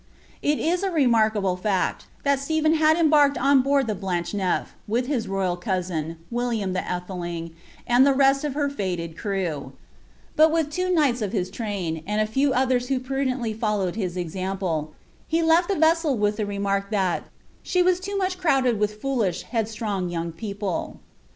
Il IK a remarkable faci, that Stephen hai embarked an board ifat Bltmekt ,Vcf, with his royal cousin, William the Atheling, nnd tlic ml of her fated crew; but with two knights of his train, and a few othcn vho prudently followed his example, he left the vessel with lite recntrk thai "she was too much crowded wiili foolish, headstrong young people."'